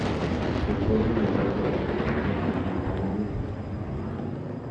Se encuentra en el norte de África, desde el Mediterráneo hasta el Sahel.